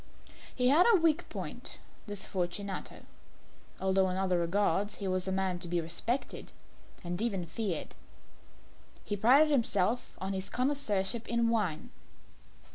He had a weak point this Fortunato although in other regards he was a man to be respected and even feared. He prided himself on his connoisseurship in wine.